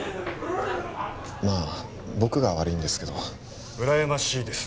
まあ僕が悪いんですけど羨ましいです